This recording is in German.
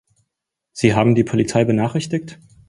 Sie haben die Polizei benachrichtigt?